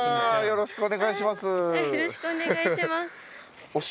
よろしくお願いします。